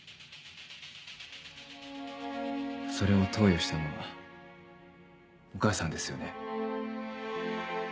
それを投与したのはお母さんですよね？